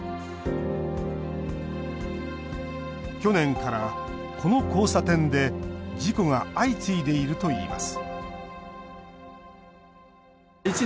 去年から、この交差点で事故が相次いでいるといいます